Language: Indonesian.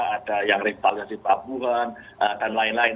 ada yang revitalisasi pabungan dan lain lain